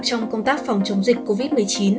trong công tác phòng chống dịch covid một mươi chín